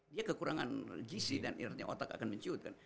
dia kekurangan gizi dan otak akan menciutkan